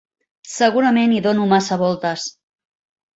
Segurament hi dono massa voltes.